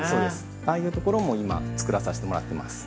◆ああいうところも今作らさせてもらってます。